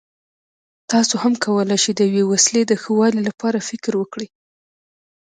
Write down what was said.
تاسو هم کولای شئ د یوې وسیلې د ښه والي لپاره فکر وکړئ.